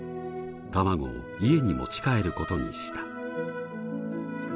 卵を家に持ち帰る事にした。